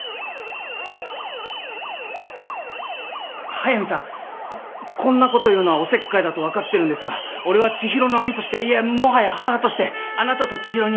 速見さんこんなこと言うのはおせっかいだと分かってるんですが俺は知博の兄としていやもはや母としてあなたと知博に。